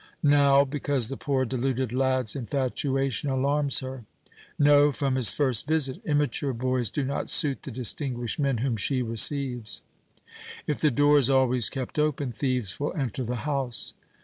"Now because the poor deluded lad's infatuation alarms her." "No, from his first visit. Immature boys do not suit the distinguished men whom she receives." "If the door is always kept open, thieves will enter the house."